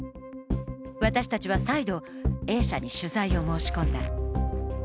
私たちは再度、Ａ社に取材を申し込んだ。